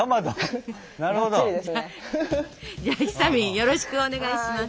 よろしくお願いします。